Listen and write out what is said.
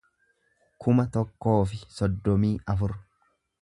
kuma tokkoo fi soddomii afur